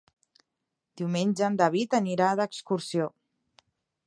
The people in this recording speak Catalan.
Diumenge en David anirà d'excursió.